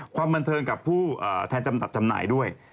ความบันเทิงกับผู้แทนจำกัดจำหน่ายด้วย